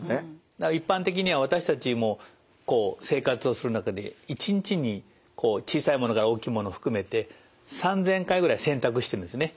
だから一般的には私たちもこう生活をする中で一日に小さいものから大きいもの含めて３，０００回ぐらい選択してるんですね。